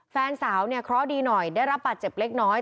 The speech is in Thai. แฟนสาวเนี่ยเคราะห์ดีหน่อยได้รับบาดเจ็บเล็กน้อย